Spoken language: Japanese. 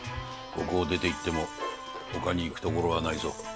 ここを出ていってもほかに行く所はないぞ。